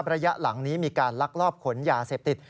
ระยะหลังนี้มีการลักลอบขนยาเสพติด